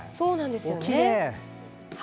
きれい。